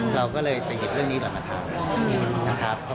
เราก็เลยจะหยิบเรื่องนี้ก่อนมาทำ